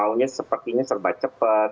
orangnya itu maunya sepertinya serba cepat